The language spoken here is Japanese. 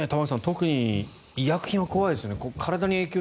特に医薬品は怖いですね。